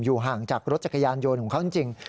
อยู่ห่างจากรถจักรยานโยนของเขาจริง